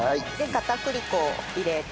片栗粉を入れて。